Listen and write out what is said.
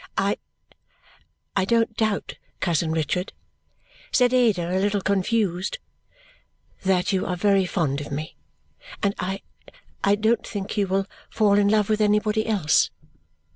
I I don't doubt, cousin Richard," said Ada, a little confused, "that you are very fond of me, and I I don't think you will fall in love with anybody else.